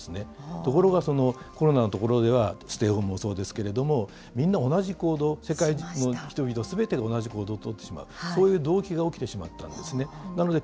ところがコロナのところではステイホームもそうですけれども、みんな同じ行動、世界の人々すべてが同じ行動を取ってしまう、そういう同期が起きてしまったんですね。